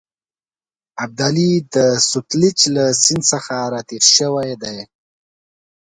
ابدالي د سوتلیج له سیند څخه را تېر شوی دی.